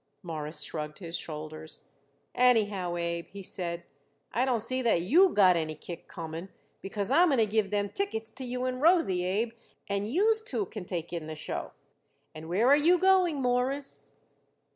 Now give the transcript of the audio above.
Morris shrugged his shoulders. "Anyhow, Abe," he said, "I don't see that you got any kick coming, because I'm going to give them tickets to you and Rosie, Abe, and youse two can take in the show." "And where are you going, Mawruss?"